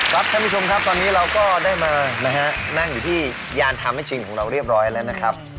ท่านผู้ชมครับตอนนี้เราก็ได้มานะฮะนั่งอยู่ที่ยานทำให้ชิงของเราเรียบร้อยแล้วนะครับ